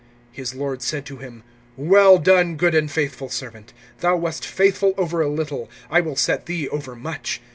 (23)His lord said to him: Well done, good and faithful servant; thou wast faithful over a little, I will set thee over much.